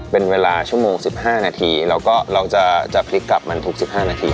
เป็นเวลาชั่วโมง๑๕นาทีแล้วก็เราจะพลิกกลับมันทุก๑๕นาที